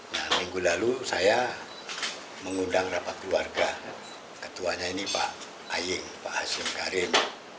nah minggu lalu saya mengundang rapat keluarga ketuanya ini pak ayeng pak hashim karim